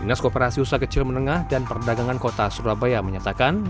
dinas koperasi usaha kecil menengah dan perdagangan kota surabaya menyatakan